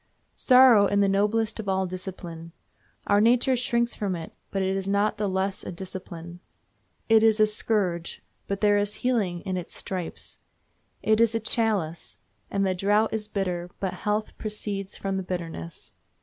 Sorrow is the noblest of all discipline. Our nature shrinks from it, but it is not the less a discipline. It is a scourge, but there is healing in its stripes. It is a chalice, and the draught is bitter, but health proceeds from the bitterness.